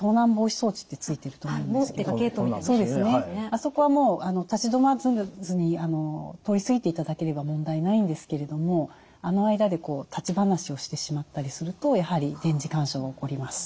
あそこはもう立ち止まらずに通り過ぎていただければ問題ないんですけれどもあの間で立ち話をしてしまったりするとやはり電磁干渉が起こります。